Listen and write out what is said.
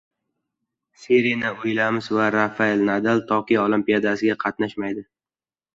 Serena Uilyams va Rafael Nadal Tokio Olimpiadasida qatnashmaydi